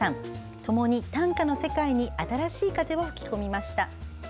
ともに短歌の世界に新しい風を吹き込みました。